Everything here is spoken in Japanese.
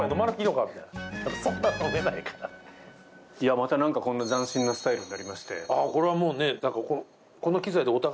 またなんか斬新なスタイルになりまして。